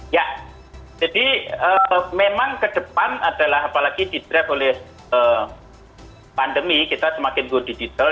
ya jadi memang ke depan adalah apalagi di drive oleh pandemi kita semakin go digital